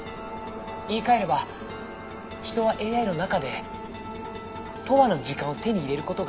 「言い換えれば人はＡＩの中で永遠の時間を手に入れる事ができるんです」